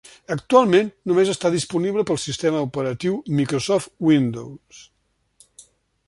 Actualment, només està disponible pel sistema operatiu Microsoft Windows.